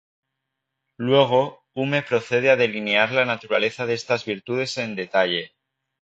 Luego, Hume procede a delinear la naturaleza de estas virtudes en detalle.